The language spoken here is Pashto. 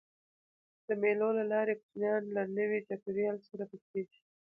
د مېلو له لاري کوچنيان له نوي چاپېریال سره بلديږي.